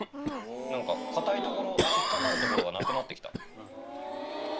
なんか、かたいところ、引っ掛かるところがなくなってきた。